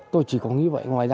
tôi chỉ có nghĩ vậy ngoài ra